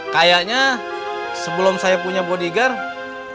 kayaknya sebelum saya punya bodyguard